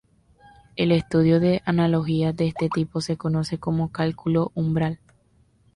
El estudio de analogías de este tipo se conoce como cálculo umbral.